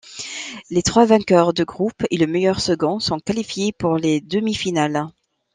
Les trois vainqueurs de groupe et le meilleur second sont qualifiés pour les demi-finales.